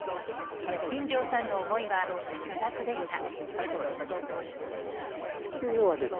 金城さんの思いは複雑でした。